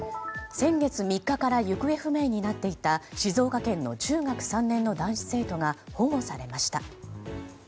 先月３日から行方不明になっていた静岡県の中学３年生の男子生徒が保護されました。